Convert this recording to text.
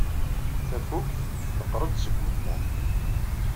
Tafukt tneqqer-d seg ugmuḍ.